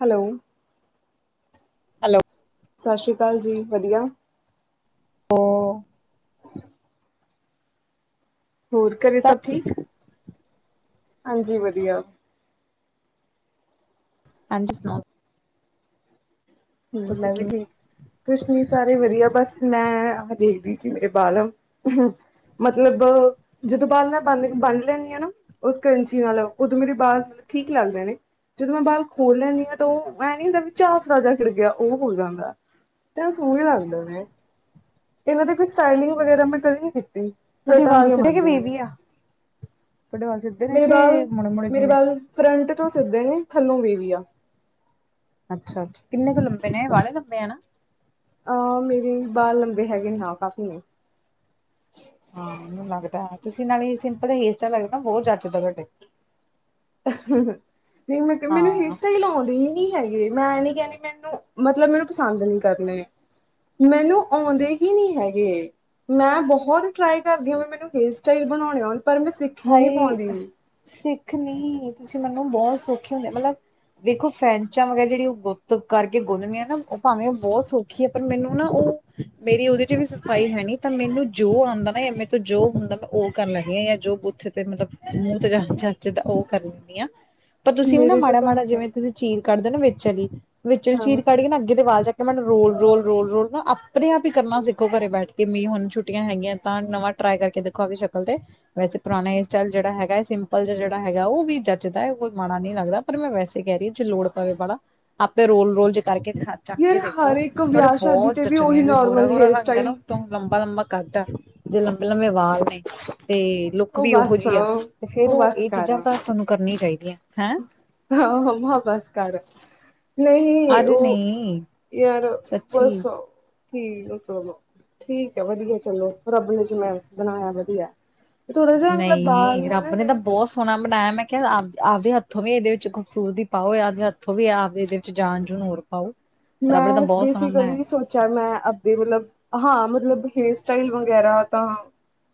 Hello. Hello. ਸਾਸ਼ੀ ਕਾਲ ਜੀ, 'ਵਧੀਆ। ਹੋਰ ਅੱਛਾ [inaudible] ਹੋਰ ਘਰੇ ਸਰ ਸਭ ਠੀਕ। ਹਾਂਜੀ ਵਧੀਆ। ਹਾਂਜੀ ਸੁਨਾਔ? ਹਮ, ਤੁਸੀਂ ਮੈਂ ਵੀ ਕਿਵੇਂ ਠੀਕ। ਕੁਛ ਨੀ ਸਾਰੇ ਵਧੀਆ ਬਸ ਮੈਂ ਆ ਦੇਖਦੀ ਸੀ ਮੇਰੇ ਬਾਲ ਅਹ ਮਤਲਬ ਜਦੋਂ ਬਾਲ ਮੈਂ ਬੰ ਬੰਨ ਲੈਂਨੀ ਆ ਨਾ ਉਸ ਕਰੰਚੀ ਨਾਲ ਉਦੋਂ ਮੇਰੇ ਬਾਲ ਠੀਕ ਲੱਗਦੇ ਨੇ। ਜਦੋਂ ਮੈਂ ਬਾਲ ਖੋਲ ਲੈਂਨੀ ਆ ਤੇ ਏਨੀ ਹੋਂਦਾ ਬੀ ਚਝ ਫੜ ਜਾ [unintelligible] ਖਿੜ ਗਿਆ, ਔ ਹੋ ਜਾਂਦੈ ਤੈਂ ਸੋਨੇ ਲੱਗਦੇ ਨੇ। ਇਨਾ ਤੇ ਕੋਈ ਸਟਾਈਲਿੰਗ ਵਗੈਰਾ ਮੈਂ ਕਦੇ ਨੀ ਕੀਤੀ। ਤੋਡੇ ਲਟਾਂ ਵਾਲ ਜਿਹੀਆਂ ਸਿੰਘ ਆ ਕੇ ਬਣਦੀਆਂ ਨੇ ਬੀਵੀ। [unintelligible] ਤੋਡੇ ਵਾਲ ਸਿਲ ਮੇਰੇ ਬਾਲ, ਮੇਰੇ ਬਾਲ ਫਰੰਟ ਤੋਂ ਸਿੱਧੇ ਨੇ ਥੱਲੋਂ ਵੀੇ ਵੀ ਆ। ਅੱਛਾ- ਅੱਛਾ ਕਿੰਨੇ ਕੁ ਲੰਬੇ ਨੇ ਵਾਹਲੇ ਲੰਬੇ ਆ ਨਾ। ਅ ਮੇਰੇ ਬਾਲ ਲੰਬੇ ਹੈਗੇਨੇ ਹਾਂ ਕਾਫੀ ਨੇ। ਹਾਂ ਮੈਨੂੰ ਲਗਦਾ, ਤੁਸੀਂ ਨਾਲੇ ਹੀ ਸਿੰਪਲ ਹੇੲਰ ਸਟਾਇਲ ਰਖਦੇ ਬੋਤ ਜੱਚਦੇ ਤੋਡੇ। ਅਹਹ ਨੀ ਮੈਂ ਮੈਨੂੰ ਹੇਅਰ ਹਾਂ ਸਟਾਈਲ ਆਉਂਦੇ ਨੀ। ਨੀ ਹੈਗੇ ਮੈਂ ਐ ਨੀ ਕੈਂਦੀ ਮੈਨੂੰ ਮਤਲਬ ਮੈਨੂੰ ਪਸੰਦ ਨਹੀਂ ਕਰਨੇ ਮੈਨੂੰ ਆਉਂਦੇ ਹੀ ਨਹੀਂ ਹੈਗੇ। ਨਾ ਬਹੋਤ ਟਰਾਈ ਕਰਦੀ ਹ ਵੀ ਮੈਨੂੰ ਹੇਅਰ ਸਟਾਈਲ ਬਨੋਨੇ ਔਨ ਪਰ ਮੈਂ ਸਿਂ ਹਾਏ ਸਿੱਖ ਨੀ, ਤੁਸੀਂ ਮੈਨੂੰ ਬੋਤ ਸੌਖੇ ਹੁੰਦੇ ਮਤਲਬ ਵੇਖੋ ਫਰੇਂਚਾ ਵਗੈ ਜੇੜੀ ਔ ਗੁੱਤ ਕਰਕੇ ਗੁੰਨਨੀਆਂ ਨਾ ਔ ਭਾਵੇਂ ਔ ਬੋਤ ਸੌਖੀ ਹੈ ਪਰ ਮੈਨੂੰ ਨਾ ਔ ਮੇਰੀ ਔਦੇ ਚ ਵੀ ਸਫਾਈ ਹੈਨੀ ਤਾਂ ਮੈਨੂੰ ਜੋ ਔਂਦਾ ਨਾ ਯਾਂ ਮੇਰੇ ਤੋਂ ਜੋ ਹੁੰਦਾ ਮੈਂ ਔਹ ਕਰ ਲੈਂਨੀ ਆ ਜੋ ਉੱਥੇ ਤੇ ਮਤਲਬ ਮੂੰਹ ਤੇ ਜੱਚਦਾ ਔਹ ਕਰ ਲੈਂਨੀ ਆ ਪਰ ਤੁਸੀਂ ਵੀ ਨਾ ਮੇਰੇ ਤੋਂ ਮਾੜਾ, ਤਾਂ ਮਾੜਾ ਜਿਵੇਂ ਤੁਸੀਂ ਚੀਰ ਕੱਢਦੇ ਨਾ ਵਿੱਚ ਆਲੀ ਵਿਚੋ ਹਾਂ ਚੀਰ ਕੱਢ ਕੇ ਨਾ ਅੱਗੇ ਦੇ ਵਾਲ ਚੱ ਮੈਨੂੰ ਰੋਲ, ਰੋਲ, ਰੋਲ, ਰੋਲ ਨਾ ਆਪਣੇ ਆਪ ਈ ਕਰਨਾ ਸਿੱਖੋ ਘਰੇ ਬੈਠ ਕੇ ਵੀ ਹੁਣ ਛੁੱਟੀਆਂ ਹੈਗੀਆਂ ਤਾਂ ਨਵਾਂ ਟਰਾਈ ਕਰਕੇ ਦੇਖੋ ਆਪਣੀ ਸ਼ਕਲ ਤੇ ਵੈਸੇ ਪੁਰਾਣੇ ਹੇਅਰ ਸਟਾਈਲ ਜਿਹੜਾ ਹੈਗੈ ਸਿੰਪਲ ਜਾ ਜਿਹੜਾ ਹੈਗੈ ਉਹ ਵੀ ਜੱੱਚਦੈ ਕੋਈ ਮਾੜਾ ਨਹੀਂ ਲੱਗਦਾ। ਪਰ ਮੈਂ ਵੈਸੇ ਕਹਿ ਰੀ ਆ ਜੇ ਲੋੜ ਪਵੇ ਵਾਲਾ ਆਪੇ ਰੋਲ, ਰੋਲ ਜੇ ਕਰਕੇ ਚੱਕ ਯਾਰ ਕੇ ਦੇਖੋ ਹਰ ਇੱਕ ਥੋਡੇ ਵਿਆਹ ਸ਼ਾਦੀ ਬਹੁਤ ਤੇ ਉਹੀ ਜਚਣੀਆਂ ਵੀ ਗੋਰਾ, ਨੋਰਮਲ ਗੋਰਾ ਹੇਅਰ ਰੰਗ ਐ ਸਟਾਈਲ ਨਾ। ਤੋਂ ਲੰਬਾ ਲੰਬਾ ਕੱਦ ਆ ਜੇ ਲੰਬੇ ਲੰਬੇ ਵਾਲ ਨੇ ਤੇ ਲੁੱਕ ਉਹ ਵੀ ਉਹੋ ਬਸ ਜੀ ਆ, ਤੇ ਫੇਰ ਉਹ ਬਸ ਇਹ ਕਰ ਚੀਜ਼ਾਂ ਤਾਂ ਥੋਨੂੰ ਕਰਨੀ ਚਾਹੀਦੀਆਂ। ਹੈਂ ਹਾਂ ਮੰਮਾ ਬਸ ਕਰ, ਨਹੀਂ ਅਰੇ ਓ ਨਹੀਂ ਯਾਰ ਸੱਚੀ ਪਰਸੌ ਠੀਕ ਆ, ਚਲੋ ਠੀਕ ਐ ਵਧੀਆ ਚਲੋ ਰੱਬ ਨੇ ਜਿਵੇਂ ਬਣਾਇਆ ਵਧੀਐ। ਨਈ ਰੱਬ ਨੇ ਤਾਂ ਜਿਹੜੇ ਬੋਤ ਸੋਹਣਾ ਬਣਾਇਆ ਮੈਂ ਕਿਹਾ ਆਪ ਆਪਦੇ ਹੱਥੋਂ ਵੀ ਇਹਦੇ ਵਿੱਚ ਖੂਬਸੂਰਤੀ ਪਾਓ ਆਪਦੇ ਹੱਥੋਂ ਵੀ ਆਪ ਇਹਦੇ ਜਾਨ ਜੂਨ ਹੋਰ ਪਾਓ। ਰੱਬ ਨੇ ਤਾਂ ਮੈਂ ਬਹੁਤ ਸੋਹਣਾ ਬਣਾਇਆ ਬੇਸਿਕਲੀ ਸੋਚ ਚਲ ਮੈਂ ਆਪਦੇ ਮਤਲਬ ਹਾਂ ਮਤਲਬ ਹੇਅਰ ਸਟਾਈਲ ਵਗੈਰਾ ਤਾਂ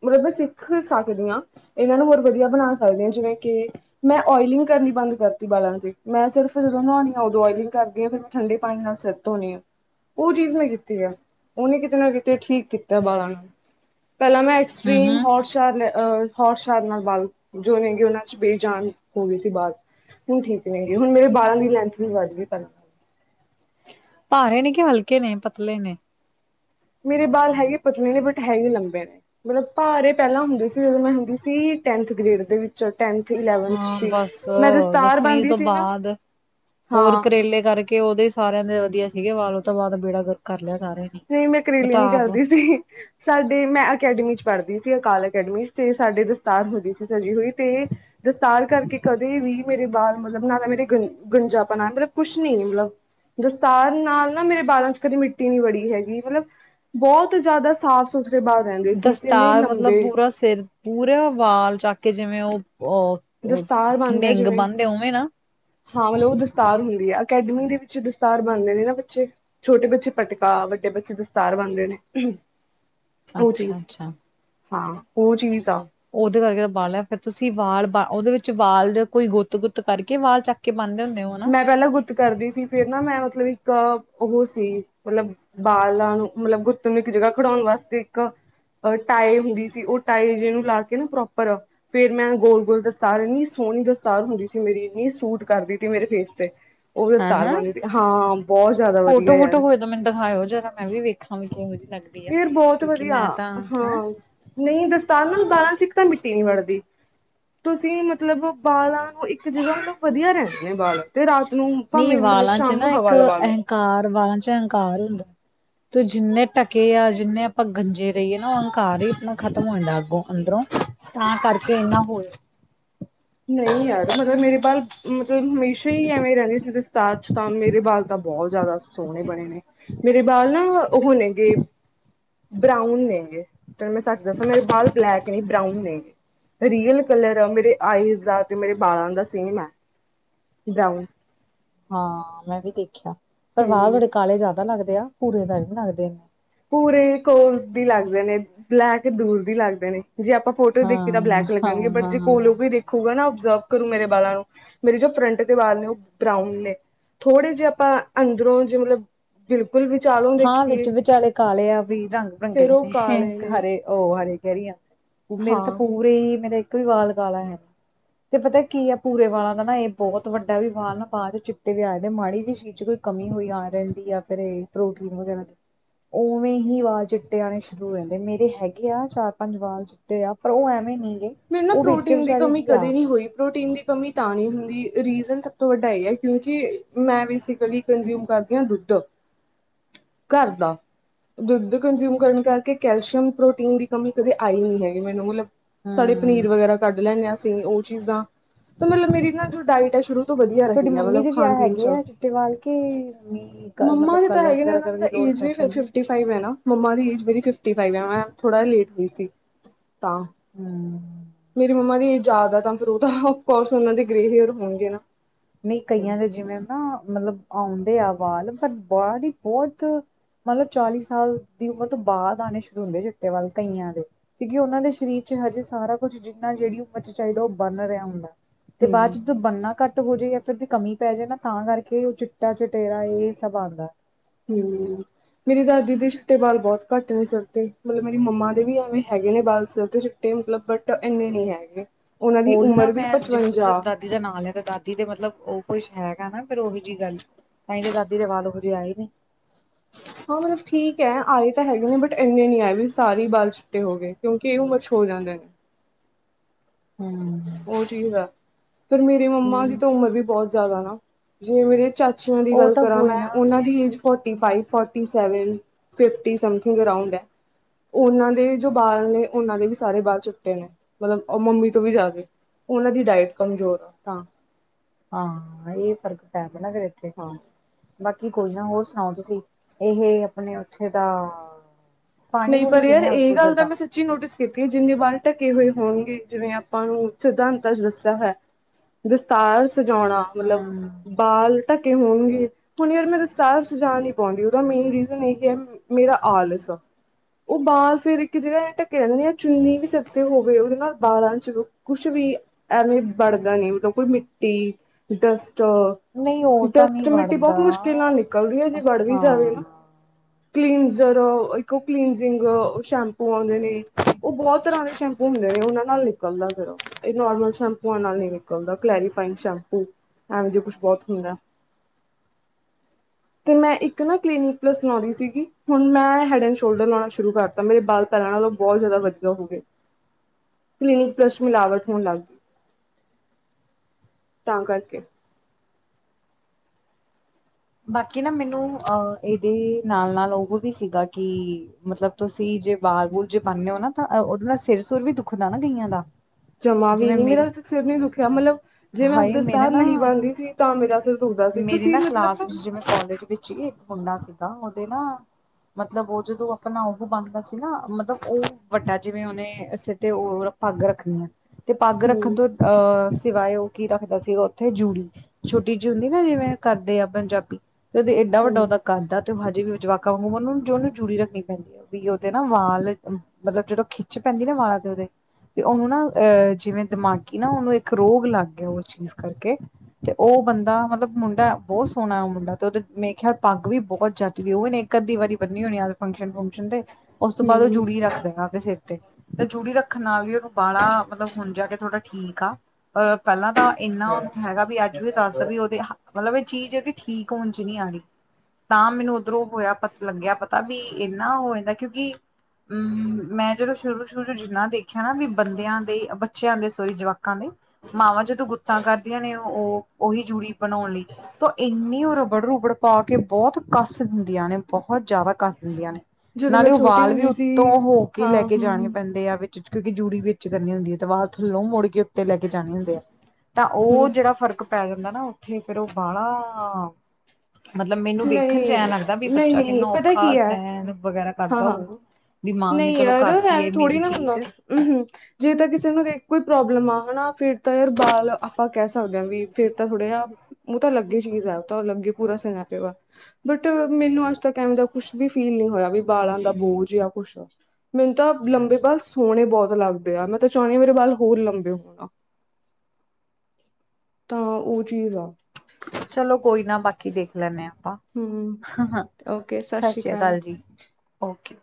ਮਤਲਬ ਮੈਂ ਸਿੱਖ ਸਕਦੀ ਆ ਇਹਨਾਂ ਨੂੰ ਹੋਰ ਵਧੀਆ ਬਣਾ ਸਕਦੀ ਆ ਜਿਵੇਂ ਕਿ ਮੈਂ ਓਇਲਿੰਗ ਕਰਨੀ ਬੰਦ ਕਰਤੀ ਬਾਲਾਂ ਤੇ ਮੈਂ ਸਿਰਫ਼ ਜਦੋਂ ਨਹਾਣੀ ਆ ਉਦੋਂ ਓਇਲਿੰਗ ਕਰਦੀ ਆ ਫਿਰ ਮੈਂ ਠੰਡੇ, ਪਾਣੀ ਨਾਲ ਸਿਰ ਧੋਣੀ ਆ। ਉਹ ਚੀਜ਼ ਮੈਂ ਕੀਤੀ ਆ ਉਹਨੇ ਕਿਤੇ ਨਾ ਕਿਤੇ ਠੀਕ ਕੀਤਾ ਬਾਲਾਂ ਨੂੰ ਪਹਿਲਾਂ ਮੈਂ। ਹੂੰ ਸਟ੍ਰਰੀਮ ਹੂੰ ਹੋਰਸ ਅਹ ਹੋਟਸ਼ਾਰ ਨਾਲ ਬਾਲ ਜੋ ਨੇਗੇ ਉਹਨਾਂ ਚ ਬੇਜਾਨ ਹੋ ਗਈ ਸੀ ਬਾਲ। ਹੁਣ ਠੀਕ ਨੇ ਗੇ ਹੁਣ ਮੇਰੇ ਬਾਲਾਂ ਦੀ ਲੈਂਥ ਵੀ ਵੱਧ ਗੀ ਪਹਿਲੇ, ਭਾਰੇ ਨੇ ਕਿ ਹਲਕੇ ਨੇ ਪਤਲੇ ਨੇ। ਮੇਰੇ ਬਾਲ ਹੈਗੇ ਪਤਨੀ ਨੇ ਬਟ ਹੈਗੇ ਲੰਬੇ ਨੇ। ਮਤਲਬ ਭਾਰੇ ਪਹਿਲਾਂ ਹੁੰਦੇ ਸੀ ਜਦੋਂ ਮੈਂ ਹੁੰਦੀ ਸੀ ਟੈਂਥ ਗ੍ਰੇਡ ਦੇ ਵਿੱਚ। ਟੈਨਥ ਇਲਵਨਥ ਚ ਹਾਂ ਸੀ ਬਸ ਮੈਂ ਦਸਤਾਰ ਦਸਵੀਂ ਬਣਦੀ ਤੋਂ ਸੀ ਨਾ। ਬਾਅਦ ਹੋਰ ਹਾਂ ਕਰੇਲੇ ਕਰਕੇ ਉਹਦੇ ਸਾਰਿਆਂ ਦੇ ਵਧੀਆ ਸੀਗੇ ਵਾਲ ਓ ਤੋਂ ਬਾਅਦ ਬੇੜਾ ਗਰਕ ਕਰ ਲਿਆ ਸਾਰੇ। ਨਹੀਂ ਮੈਂ ਕਰੇਲੇ ਨੀ ਕਰਦੀ ਸੀ। ਸਾਡੇ ਮੈਂ ਅਕੈਡਮੀ ਚ ਪੜ੍ਹਦੀ ਸੀ ਅਕਾਲ ਅਕੈਡਮੀ ਚ ਤੇ ਸਾਡੇ ਦਸਤਾਰ ਹੁੰਦੀ ਸੀ ਸਜੀ ਹੋਈ ਤੇ। ਦਸਤਾਰ ਕਰਕੇ ਕਦੇ ਵੀ ਮੇਰੇ ਬਾਲ ਮਤਲਬ ਨਾਲ ਮੇਰੇ ਗ ਗੰਜਾਪਣਾ ਮੇਰੇ ਮਤਲਬ ਕੁਛ ਨੀ ਮਤਲਬ ਦਸਤਾਰ ਨਾਲ ਨਾ ਮੇਰੇ ਬਾਲਾਂ ਚ ਕਦੀ ਮਿੱਟੀ ਨੀ ਵੜੀ। ਹੈਗੀ ਮਤਲਬ ਬਹੁਤ ਜ਼ਿਆਦਾ ਸਾਫ ਸੁਥਰੇ ਬਾਲ ਰਹਿੰਦੇ ਸੀ ਤੇ ਇੰਨੇ ਦਸਤਾਰ ਲੰਬੇ। ਮਤਲਬ ਪੂਰਾ ਸਿਰ ਪੂਰਾ ਵਾਲ ਚਾਕੇ ਜਿਵੇਂ ਓ ਅਹ ਦਸਤਾਰ ਬਣਦੇ ਜਿਵੇਂ। ਹਾਂ ਮਤਲਬ ਓ ਦਸਤਾਰ ਹੁੰਦੀ ਆ ਅਕੈਡਮੀ ਦੇ ਵਿੱਚ ਦਸਤਾਰ ਬਣਦੇ ਨੇ ਨਾ ਬੱਚੇ। ਛੋਟੇ ਬੱਚੇ ਪਟਕਾ ਵੱਡੇ ਬੱਚੇ ਦਸਤਾਰ ਬਣਦੇ ਨੇ। ਓ ਚੀਜ਼ ਅੱਛਾ-ਅੱਛਾ ਹਾਂ ਓ ਚੀਜ਼ ਆ। ਉਹਦੇ ਕਰਕੇ ਬਾਲਾ ਫਿਰ ਤੁਸੀਂ ਵਾਲ ਬ ਉਹਦੇ ਵਿੱਚ ਵਾਲ ਕੋਈ ਗੁੱਤ ਗੁੱਤ ਕਰਕੇ ਵਾਲ ਚੱਕ ਕੇ ਵਾਂਦੇ ਹੁੰਦੇ ਓ। ਮੈਂ ਪਹਿਲਾਂ ਗੁੱਤ ਕਰਦੀ ਸੀ ਫੇਰ ਨਾ ਮੈਂ ਮਤਲਬ ਇੱਕ ਉਹ ਸੀ ਮਤਲਬ ਬਾਲਾਂ ਨੂੰ ਮਤਲਬ ਗੁੱਤ ਨੂੰ ਇੱਕ ਜਗ੍ਹਾ ਖੜੋਉਣ ਵਾਸਤੇ ਇੱਕ ਅ ਟਾਏ ਹੁੰਦੀ ਸੀ ਉਹ ਟਾਏ ਜਿਹਨੂੰ ਲਾ ਕੇ ਨਾ ਪ੍ਰੋਪਰ। ਫੇਰ ਮੈਂ ਗੋਲ ਗੋਲ ਦਸਤਾਰ ਇੰਨੀ ਸੋਹਣੀ ਦਸਤਾਰ ਹੁੰਦੀ ਸੀ ਮੇਰੀ ਇੰਨੀ ਸੂਟ ਕਰਦੀ। ਮੇਰੇ ਫੇਸ ਤੇ ਓ ਦਸਤਾਰ ਹਾਂ-ਹਾਂ। ਬਣ ਦੀ ਹਾਂ ਬਹੁਤ ਜ਼ਿਆਦਾ ਵਧੀਆ ਫੋਟੋ-ਫੋਟੋ ਯਾਰ। ਹੋਏ ਮੈਨੂੰ ਦਿਖਾਇਓ ਜ਼ਰਾ। ਮੈਂ ਵੀ ਵੇਖਾਂ ਇਹੋ ਜਿਹਾ ਲਗਦਾ। ਫਿਰ ਬਹੁਤ ਵਧੀਆ ਹਾਂ। ਨਹੀਂ ਦਸਤਾਰ ਮੈਨੂੰ ਦਾਰਾਂ ਚ' ਇੱਕ ਤਾਂ ਮਿੱਟੀ ਨਹੀਂ ਵੜਦੀ। ਤੁਸੀਂ ਮਤਲਬ ਬਾਲਾਂ ਨੂੰ ਇੱਕ ਜਗ੍ਹਾ ਮਤਲਬ ਵਧੀਆ ਰਹਿੰਦੇ ਨੇ ਬਾਲ। ਤੇ ਰਾਤ ਨੂੰ, ਭਾਵੇਂ ਮਤਲਬ ਸ਼ਾਮ ਨੂੰ ਹਵਾ ਲਵਾ ਲਓ। ਹੰਕਾਰ ਵਾਲਾਂ ਚ' ਹੰਕਾਰ ਹੁੰਦਾ ਤੇ ਜਿੰਨੇ ਢਕੇ ਆ, ਜਿੰਨੇ ਆਪਾਂ ਕਜੇ ਰਹੀਏ ਨਾ ਉਹ ਅਹੰਕਾਰ ਹੀ ਆਪਣਾ ਖਤਮ ਹੋ ਜਾਂਦਾ ਅੱਗੋਂ ਅੰਦਰੋਂ, ਤਾਂ ਕਰਕੇ ਇੰਨਾ ਹੋ ਜਾ ਨਹੀਂ ਯਾਰ ਮਤਲਬ ਮੇਰੇ ਬਾਲ ਮਤਲਬ ਹਮੇਸ਼ਾ ਹੀ ਐਵੇਂ ਰਹਿੰਦੇ ਸੀ ਦਸਤਾਰ ਚ' ਤਾਂ ਮੇਰੇ ਬਾਲ ਤਾਂ ਬਹੁਤ ਜ਼ਿਆਦਾ ਸੋਹਣੇ ਬਣੇ ਨੇ, ਮੇਰੇ ਬਾਲ ਨਾ ਉਹ ਨੇਗੇ ਬਰਾਊਨ ਨੇਗੇ। ਹੈ, ਮੈਂ ਸੱਚ ਦੱਸਾਂ ਮੇਰੇ ਬਾਲ ਬਲੈਕ ਨ, ਬਰਾਊਨ ਨੇ ਰੀਅਲ ਕਲਰ ਮੇਰੇ ਆਈ ਦਾ ਤੇ, ਮੇਰੇ ਬਾਲਾਂ ਦਾ ਸੇਮ ਹੈ ਦਊ। ਹਾਂ। ਮੈਂ ਵੀ ਦੇਖਿਆ ਪਰ ਵਾਹ ਹਮ ਮਰੇ ਕਾਲੇ ਜ਼ਿਆਦਾ ਲੱਗਦੇ ਆ, ਪੂਰੇ ਗ ਵੀ ਲੱਗਦੇ ਇਨੇ। ਭੂਰੇ ਕੋਲ ਦੀ ਲੱਗਦੇ ਨੇ, ਬਲੇਕ ਦੂਰ ਦੀ ਲੱਗਦੇ ਨੇ ਜੇ ਆਪਾਂ ਫੋਟੋ ਦੇਖੀ ਤਾਂ ਹਾਂ, ਬਲੈਕ ਹਾਂ, ਲੱਗਣਗੇ ਬਟ ਜੇ ਹਾਂ, ਕੋਲ ਹਾਂ। ਵੀ ਦੇਖ ਖੂਗਾ ਨਾ ਓਬਜ਼ਰਵ ਕਰੂ ਮੇਰੇ ਬਾਲਾਂ ਨੂੰ, ਮੇਰੇ ਜੋ ਫਰੰਟ ਦੇ ਬਾਲ ਨੇ ਉਹ ਬਰਾਊਨ ਨੇ। ਥੋੜੇ ਜਿ ਆਪਾਂ ਅੰਦਰੋਂ ਜੇ ਮਤਲਬ ਬਿਲਕੁਲ ਵੀ ਚਾਲ ਹਾਂ ਵਿੱਚ ਵਿਚਾਲੇ ਕਾਲੇ ਆ ਵੀ ਰੰਗ ਬਿਰੰਗ ਫੇਰ ਉਹ ਜਿਣੇ ਕਾਲੇ ਨੇ ਹਰੇ। ਉਹ ਹਾਲ ਕਹਿ ਰਹੀ ਆ ਮੇਰੇ ਤਾਂ ਹਾਂ ਪੂਰੇ ਹੀ ਮੇਰਾ ਇੱਕ ਵੀ ਵਾਲ ਕਾਲਾ ਹੈ ਨਾ। ਤੇ ਪਤਾ ਕੀ ਆ ਭੂਰੇ ਵਾਲਾਂ ਦਾ ਨਾ ਇਹ ਬਹੁਤ ਵੱਡਾ ਵੀ ਵਾਲ ਨਾ ਬਾਲ ਚ' ਚਿੱਟੇ ਵੀ ਆਜਦੇ ਮਾੜੀ ਵੀ ਸ਼ੀ ਚ' ਕੋਈ ਕਮੀ ਹੋਈ ਆ ਰਹਿੰਦੀ ਆ ਫਿਰ ਇਹ ਪ੍ਰੋਟੀਨ ਵਗੈਰਾ ਦੀ। ਉਵੇਂ ਹੀ ਆਵਾਜ਼ ਚਿੱਟੇ ਆਉਣੇ ਸ਼ੁਰੂ ਹੋ ਜਾਂਦੇ ਮੇਰੇ ਹੈਗੇ ਆ ਚਾਰ -ਪੰਜ ਵਾਲ ਚਿੱਟੇ। ਦੇ ਆ ਪਰ ਉਹ ਐਵੇਂ ਨਹੀਂ ਗਏ। ਮੇਰੇ ਨਾ ਪ੍ਰੋਟੀਨ ਦੀ ਕਮੀ ਕਦੇ ਨਹੀਂ ਹੋਈ ਪ੍ਰੋਟੀਨ ਦੀ। ਕਮੀ ਤਾਂ ਨਹੀਂ ਹੁੰਦੀ, ਰੀਜ਼ਨ ਸਭ ਤੋਂ ਵੱਡਾ ਇਹ ਹੈ ਕਿਉਂਕਿ, ਮੈਂ ਬੇਸਿਕਲੀ ਕੰਜ਼ਿਊਮ ਕਰਦੀ ਹਾਂ ਦੁੱਧ। ਘਰ ਦਾ। ਦੁੱਧ ਕੰਜ਼ਿਊਮ ਕਰਨ ਕਰਕੇ ਕੈਲਸ਼ੀਅਮ, ਪ੍ਰੋਟੀਨ ਦੀ ਕਮੀ ਕਦੇ ਆਈ ਨਹੀਂ ਹੈਗੀ ਮੈਨੂੰ ਮਤਲਬ। ਸਾਡੇ ਪਨੀਰ ਹੂੰ। ਵਗੈਰਾ ਕੱਢ ਲੈਂਦੇ ਹਾਂ ਅਸੀਂ ਉਹ ਚੀਜ਼ਾਂ ਤੇ, ਮਤਲਬ ਮੇਰੀ ਨਾ ਜੋ ਡਾਇਟ ਹੈ ਸ਼ੁਰੂ ਵਧੀਆ ਤੁਹਾਡੀ ਰਹੀ ਹੈ ਮੰਮੀ ਮਤਲਬ ਦੇ ਖਾਣ- ਵਿਆਹ ਪੀਣ ਹੈਗੇ ਚ'। ਆ ਚਿੱਟੇ ਵਾਲ ਕੇ ਮੰਮੀ ਕ ਮਤਲਬ ਮੰਮਾ ਦੇ ਤਾਂ ਕਲਰ ਹੈਗੇ ਨੇ ਵਗੈਰਾ ਉਹਨਾਂ ਦੀ ਕਰਨ ਤਾਂ ਲੋੜ ਏਜ ਕਰ ਵੀ ਫ ਪੈਂਦੀ ਫਿਫਟੀ ਫਾਈਵ ਹੈ ਨਾ, ਮੰਮਾ ਦੀ ਏਜ ਮੇਰੀ ਫਿਫਟੀ ਫਾਈਵ ਹੈ ਮੈ ਥੋੜਾ ਲੇਟ ਹੋਈ ਸੀ ਤਾਂ। ਹੂ ਮੇਰੀ ਮੰਮਾ ਦੀ ਯਾਦ ਆ ਤਾਂ ਵਿਰੋਧ ਅਫਕਰਸ ਉਹਨਾਂ ਦੇ ਗ੍ਰੇਹੇਰ ਹੋਣਗੇ ਨਾ। ਨਹੀਂ ਕਈਆਂ ਦੇ ਜਿਵੇਂ ਨਾ ਮਤਲਬ ਆਉਂਦੇ ਆ ਵਾਲ ਪਰ ਬੀ ਬਹੁਤ ਮਤਲਬ ਚਾਲੀ ਸਾਲ ਦੀ ਉਮਰ ਤੋਂ ਬਾਅਦ ਆਉਣੇ ਸ਼ੁਰੂ ਹੁੰਦੇ ਚਿੱਟੇ ਵੱਲ ਕਈਆਂ ਦੇ। ਕਿਉਂਕਿ ਉਹਨਾਂ ਦੇ ਸਰੀਰ ਚ' ਹਜੇ ਸਾਰਾ ਕੁਝ ਜਿੰਨਾ ਜਿਹੜੀ ਉਮਰ ਚ' ਚਾਹੀਦਾ ਉਹ ਬਣ ਰਿਹਾ ਹੁੰਦਾ। ਤੇ ਬਾਅਦ ਚ' ਹਮ ਜਦੋਂ ਬੰਨਾ ਘੱਟ। ਟ ਹੋ ਜੇ ਜਾਂ ਫਿਰਦੀ ਕਮੀ ਪੈ ਜਾਏ ਨਾ ਤਾਂ ਕਰਕੇ ਉਹ ਚਿੱਟਾ ਚੁਟੇਰਾ ਇਹ ਸਭ ਆਉਂਦਾ। ਹੂ ਮੇਰੀ ਦਾਦੀ ਦੇ ਚਿੱਟੇ ਬਾਲ ਬਹੁਤ ਘੱਟ ਨੇ ਸਿਰ ਤੇ, ਮਤਲਬ ਮੇਰੀ ਮੰਮਾ ਦੇ ਵੀ ਐਵੇਂ ਹੈਗੇ ਨੇ ਬਾਲ ਸਿਰ ਤੇ। ਮਤਲਬ ਬਟ ਇੰਨੇ ਨਹੀਂ ਹੈਗੇ ਉਹਨਾਂ ਦੀ ਉਹੀ ਨਾ ਉਮਰ ਵੀ ਮੈਂ ਜਿਵੇਂ ਤੁਸੀਂ ਪਚਵੰਜਾ। ਦਾਦੀ ਦਾ ਨਾਲਿਆ ਤਾਂ ਦਾਦੀ ਦੇ ਮਤਲਬ ਉਹ ਕੁਛ ਹੈਗਾ ਨਾ ਫਿਰ ਉਹੋ ਜਿਹੀ ਗੱਲ ਕ ਤੇ ਦਾਦੀ ਦੇ ਵਾਲੋ ਜਹੇ ਆਏ ਹੀ ਨਾ। [inaudible] ਹਾਂ ਮਤਲਬ ਠੀਕ ਹੈ ਆਏ ਤਾਂ ਹੈਗੇ ਨੇ ਬਟ ਇੰਨੇ ਨਹੀਂ ਆਏ ਵੀ ਸਾਰੇ ਹੀ ਬਾਲ ਚਿੱਟੇ ਹੋ ਗਏ ਕਿਉਂਕਿ ਇਹ ਉਮਰ ਚ' ਹੋ ਜਾਂਦੇ ਨੇ। ਹੂ ਉਹ ਚੀਜ਼ ਹੈ, ਫਿਰ ਮੇਰੇ ਮੰਮਾ ਦੀ ਹੂੰ, ਤਾਂ ਉਮਰ ਵੀ ਬਹੁਤ ਜ਼ਿਆਦਾ ਨਾ ਜੇ ਮੇਰੇ ਚਾਚੇ ਬੱਚਿਆਂ ਦੀ ਉਹ ਗੱਲ ਤਾਂ ਕਰਾਂ ਕੋਈ ਮੈਂ ਨਾ ਉਹਨਾਂ ਦੀ age forty five forty seven fifty something around ਹੈ ਉਹਨਾਂ ਦੇ ਜੋ ਬਾਲ ਨੇ ਉਹਨਾਂ ਦੇ ਵੀ ਸਾਰੇ ਬਾਲ ਚਿੱਟੇ ਨੇ ਮਤਲਬ ਉਹ ਮੰਮੀ ਤੋਂ ਵੀ ਜਿਆਦਾ ਉਹਨਾਂ ਦੀ ਡਾਇਟ ਕਮਜ਼ੋਰ ਆ ਹਾਂ ਹਾਂ ਇਹ ਫ਼ਰਕ ਪੈਦਾ ਨਾ ਫੇਰ ਇੱਥੇ ਹਾਂ ਬਾਕੀ ਕੋਈ ਨਾ ਹੋਰ ਸੁਣਾਓ ਤੁਸੀਂ ਇਹ ਆਪਣੇ ਉੱਥੇ ਦਾ ਪਾਣੀ ਨਹੀਂ ਪੂਣੀ ਪਰ ਯਾਰ ਕਿਵੇਂ ਆ ਇਹ ਗੱਲ ਉੱਧਰ ਤਾਂ ਦਾ ਮੈਂ ਸੱਚੀ ਨੋਟਿਸ ਕੀਤੀ ਹੈ ਜਿਨੇ ਬਾਲ ਢਕੇ ਹੋਏ ਹੋਣਗੇ ਜਿਵੇਂ ਆਪਾਂ ਨੂੰ ਸਿਧਾਂਤਾਂ ਚ ਦੱਸਿਆ ਹੋਇਆ ਦਸਤਾਰ ਸਜਾਉਣਾ ਮਤਲਬ ਹੂੰ। ਬਾਲ ਢਕੇ ਹੋਣਗੇ ਹੁਣ ਯਾਰ ਮੈਂ ਦਸਤਾਰ ਸਜਾ ਨੀ ਪਾਉਂਦੀ ਉਹਦਾ ਮੇਨ ਰੀਜ਼ਨ ਇਹ ਹੈ ਮੇਰਾ ਆਲਸ ਆ ਉਹ ਬਾਲ ਫੇਰ ਇੱਕ ਜਗਾ ਢਕੇ ਰਹਿੰਦੇ ਆ ਚੁੰਨੀ ਵੀ ਸਿਰ ਤੇ ਹੋਵੇ ਉਹਦੇ ਨਾਲ ਬਾਲਾਂ ਚ ਲੋਕ ਕੁਛ ਵੀ ਐਵੇਂ ਬਣਦਾ ਨਹੀਂ ਮਤਲਬ ਕੋਈ ਮਿੱਟੀ ਡਸਟ ਨਹੀਂ ਉਹ ਤਾਂ ਨਹੀਂ ਡਸਟ ਮਿੱਟੀ ਬਹੁਤ ਵੜਦਾ ਮੁਸ਼ਕਿਲ ਨਾਲ ਨਿਕਲਦੀ ਹੈ ਜੇ ਵੜ ਵੀ ਜਾਵੇ ਨਾ ਹਾਂ ਕਲੀਨਜ਼ਰ, ਇਕ ਉਹ ਕਲੀਨਜ਼ਿੰਗ ਸ਼ੈਪੂ ਉਹ ਆਉਂਦੇ ਨੇ ਉਹ ਬਹੁਤ ਤਰ੍ਹਾਂ ਦੇ ਸ਼ੈਂਪੂ ਹੁੰਦੇ ਨੇ ਉਹਨਾਂ ਨਾਲ ਨਿਕਲਦਾ ਫਿਰ ਉਹ ਇਹ ਨੋਰਮਲ ਸ਼ੈਂਪੂਆਂ ਨਾਲ ਨਹੀਂ ਨਿਕਲਦਾ ਕਲੈਰੀਫਾਈੰਗ ਸ਼ੈਂਪੂ ਐਵੇਂ ਜ ਕੁਛ ਬਹੁਤ ਹੁੰਦਾ ਤੇ ਮੈਂ ਇੱਕ ਨਾ ਕਲੀਨਿਕ ਪਲਸ ਲਾਉਂਦੀ ਸੀਗੀ ਹੁਣ ਮੈਂ ਹੈਡ ਐਂਡ ਸ਼ੋਲ ਸ਼ੋਲਡਰ ਲਾਉਣਾ ਸ਼ੁਰੂ ਕਰਤਾ ਮੇਰੇ ਬਾਲ ਪਹਿਲਾਂ ਨਾਲੋਂ ਬਹੁਤ ਜ਼ਿਆਦਾ ਵਧੀਆ ਹੋ ਗਏ ਕਲੀਨਿਕ ਪਲੱਸ ਮਿਲਾਵਟ ਹੋਣ ਲੱਗ ਗਈ ਤਾਂ ਕਰਕੇ ਬਾਕੀ ਨਾ ਮੈਨੂੰ ਅਹ ਇਹਦੇ ਨਾਲ ਨਾਲ ਉਹ ਵੀ ਸੀਗਾ ਕਿ ਮਤਲਬ ਤੁਸੀਂ ਜੇ ਵਾਲ ਵੂਲ ਜੇ ਬਨਦੇ ਹੋ ਨਾ ਤਾਂ ਉਹਦੇ ਦਾ ਸਿਰ ਸੁਰ ਵੀ ਦੁਖਦਾ ਨਾ ਕਈਆਂ ਦਾ ਜਮਾ ਵੀ ਜਿਵੇਂ ਨੀ ਮੇਰਾ ਮੇਰੀ ਅੱਜ ਤੱਕ ਸਿਰ ਨਹੀ ਦੁਖਿਆ ਮਤਲਬ ਜੇ ਮੈਂ ਹਾਏ ਮੇਰੇ ਦਸਤਾਰ ਨਾ ਨਹੀਂ ਬਨਦੀ ਸੀ। ਤਾਂ ਮੇਰਾ ਸਿਰ ਦੁਖਦਾ ਸੀ ਮੇਰੀ ਤੁਸੀਂ ਨਾ ਮਤਲਬ ਕਲਾਸ ਵਿੱਚ ਜਿਵੇਂ ਕਾਲਜ ਵਿੱਚ ਜੀ ਇਕ ਮੁੰਡਾ ਸੀਗਾ ਉਹਦੇ ਨਾ ਮਤਲਬ ਉਹ ਜਦੋਂ ਆਪਣਾ ਉਹ ਬਣਦਾ ਸੀ ਨਾ ਮਤਲਬ ਉਹ ਵੱਡਾ ਜਿਵੇਂ ਉਹਨੇ ਸਿਰ ਤੇ ਉਹ ਪੱਗ ਰੱਖਣੀ ਹੈ। ਤੇ ਪੱਗ ਰੱਖਣ ਹੂੰ ਤੋਂ ਅਹ ਸਿਵਾਏ ਉਹ ਕੀ ਰੱਖਦਾ ਸੀਗਾ ਉੱਥੇ ਜੂੜੀ। ਛੋਟੀ ਜੋ ਹੁੰਦੀ ਨਾ ਜਿਵੇਂ ਕਰਦੇ ਆ ਪੰਜਾਬੀ, ਤੇ ਉਹਦੇ ਏਡਾ ਵੱਡਾ ਹੂੰ ਉਹਦਾ ਕਰਦਾ ਤੇ ਉਹ ਹਜੇ ਵੀ ਜਵਾਕਾਂ ਵਾੰਗੂ ਮ ਉਹਨੂੰ-ਉਹਨੂੰ ਜੂੜੀ ਰੱਖਣੀ ਪੈਂਦੀ ਹੈ ਵੀ ਉਹਦੇ ਨਾ ਵਾਲ, ਮਤਲਬ ਜਦੋਂ ਖਿੱਚ ਪੈਂਦੀ ਨਾ ਵਾਲਾਂ ਤੇ ਉਹਦੇ ਤੇ ਉਹਨੂੰ ਨਾ ਅਹ ਜਿਵੇਂ ਦਿਮਾਗੀ ਨਾ ਉਹਨੂੰ ਇੱਕ ਰੋਗ ਲੱਗ ਗਿਆ ਉਸ ਚੀਜ਼ ਕਰਕੇ ਤੇ ਉਹ ਬੰਦਾ ਦਾ ਮਤਲਬ ਮੁੰਡਾ ਬਹੁਤ ਸੋਹਣਾ ਉਹ ਮੁੰਡਾ, ਤੇ ਉਹਦੇ ਮੇਰਾ ਖਿਆਲ ਪੱਗ ਵੀ ਬਹੁਤ ਜੱਚਦੀ, ਉਹ ਵੀ ਇੱਕ ਅੱਧੀ ਵਾਰੀ ਬੰਨੀ ਹੋਣੀ ਏ ਫੰਕਸ਼ਨ-ਫੁਕਸ਼ਨ ਤੇ ਉਸ ਤੋਂ ਬਾਅਦ ਉਹ ਹੂੰ ਜੂੜੀ ਰੱਖ ਰੱਖਦੇ ਵੀ ਸਿਰ ਤੇ। ਤੇ ਜੂੜੀ ਰੱਖਣ ਨਾਲ ਵੀ ਉਹਨੂੰ ਬਾਹਲਾ ਮਤਲਬ ਹੁਣ ਜਾ ਕੇ ਥੋੜਾ ਠੀਕ ਆ ਪਰ ਪਹਿਲਾਂ ਤਾਂ ਇੰਨਾ ਉਨੂੰ ਹੈਗਾ ਵੀ ਅੱਜ ਵੀ ਦੱਸ ਮਤਲਬ ਇਹ ਚੀਜ਼ ਹੈ ਕਿ ਠੀਕ ਹੋਣ ਚ ਨਹੀਂ ਆ ਰਹੀ ਤਾਂ ਮੈਨੂੰ ਉੱਧਰੋਂ ਹੋਇਆ ਪਤ ਲਗਿਆ ਪਤਾ ਵੀ ਇੰਨਾ ਉਹ ਹੋ ਜਾਂਦਾ ਕਿਉਂਕਿ ਹਮ ਮੈਂ ਜਦੋੰ ਸ਼ੁਰੂ-ਸ਼ੁਰੂ ਚ ਜਿੰਨਾ ਦੇਖਿਆ ਨਾ। ਵੀ ਬੰਦਿਆਂ ਦੇ, ਬੱਚਿਆਂ ਦੇ ਸੋਰੀ ਜਵਾਕਾਂ ਦੇ ਮਾਵਾਂ ਜਦੋਂ ਗੁੱਤਾਂ ਕਰਦੀਆਂ ਨੇ ਉਹ, ਉਹੀ ਜੂੜੀ ਬਣਾਉਣ ਲਈ ਤੋਂ ਇੰਨੀ ਰਬੜ-ਰੁਬੜ ਪਾ ਕੇ ਬਹੁਤ ਕੱਸ ਦਿੰਦੀਆਂ ਨੇ। ਬਹੁਤ ਜ਼ਿਆਦਾ ਕੱਸ ਦਿੰਦੀਆਂ ਨੇ ਜਦੋਂ ਨਾਲੇ ਮੈਂ ਉਹ ਛੋਟੀ ਵਾਲ ਵੀ ਹੁੰਦੀ ਸੀ ਉੱਤੋਂ ਹੋ ਕੇ ਹਾਂ ਲੈ ਕੇ ਹੂੰ ਜਾਣੇ ਹੂੰ ਪੈਂਦੇ ਆ ਕਿਉਂਕਿ ਜੂੜੀ ਵਿੱਚ ਕਰਨੀ ਹੁੰਦੀ ਹੈ, ਤੇ ਵਾਲ ਥਲੋੰ ਮੋੜ ਕੇ ਉੱਤੇ ਲੈ ਕੇ ਜਾਣੇ ਹੁੰਦੇ ਆ ਤਾਂ ਉਹ ਹੂੰ ਜਿਹੜਾ ਫ਼ਰਕ ਪੈ ਜਾਂਦਾ ਨਾ ਉੱਥੇ ਫੇਰ ਉਹ ਬਾਹਲਾ ਮਤਲਬ ਮੈਨੂੰ ਵੇਖਣ ਚ ਨਹੀਂ ਐਂ ਲੱਗਦਾ ਵੀ ਨਹੀਂ ਬੱਚਾ ਕਿੰਨਾ ਨਹੀਂ ਪਤਾ ਔਖਾ ਕੀ ਹੈ ਸਹਿਣ ਵਗੈਰਾ ਹਾਂ ਕਰਦਾ ਹਾਂ ਹੋੳ ਬੀ ਮਾਂ ਨੇ ਚਲੋ ਕਰਤੀ ਏ ਮੇਰੀ ਚੀਜ਼ ਹੂੰ-ਹੂੰ ਜੇ ਤਾਂ ਕਿਸੇ ਨੂੰ ਇਕੋ ਪ੍ਰੋਬਲਮ ਆ ਹਨਾ ਫੇਰ ਤਰਬਾਲ ਆਪਾਂ ਕਹਿ ਸਕਦੇ ਹਾਂ ਵੀ ਫੇਰ ਤਾਂ ਖੜੇ ਹਾ। ਉਹ ਤਾਂ ਅੱਲਗ ਇ ਚੀਜ਼ ਆ। ਉਹ ਤਾਂ ਅੱਲਗ ਹੀ ਪੂਰਾ ਸਮਾ ਬਟ ਮੈਨੂੰ ਅੱਜ ਤੱਕ ਐਵੇਂ ਦਾ ਕੁਛ ਵੀ ਫੀਲ ਨਹੀਂ ਹੋਇਆ, ਵੀ ਬਾਲਾਂ ਦਾ ਬੋਝ ਜਾਂ ਕੁਛ ਮੈਨੂੰ ਤਾਂ ਲੰਬੇ ਬਾਲ ਸੋਹਣੇ ਬਹੁਤ ਲੱਗਦੇ ਆ। ਮੈਂ ਤਾਂ ਚਾਹੁੰਦੀ ਹਾਂ ਮੇਰੇ ਬਲ ਹੋਰ ਲੰਬੇ ਹੋਣ। ਤਾਂ ਉਹ ਚੀਜ਼ ਆ। ਚਲੋ ਕੋਈ ਨਾ ਬਾਕੀ ਦੇਖ ਲੈਂਦੇ ਹਾਂ ਆਪਾਂ। ਹੂੰ ਹਾਂ-ਹਾਂ ਸਤਿ ਸ੍ਰੀ ਅਕਾਲ ਜੀ, ਓਕੇ।